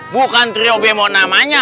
bukan trio b mau namanya